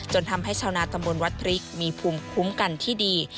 ทำให้ชาวนาตำบลวัดพริกมีภูมิคุ้มกันที่ดี